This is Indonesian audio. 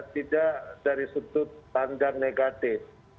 tidak dari sudut pandang negatif